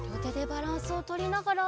バランスをとりながら。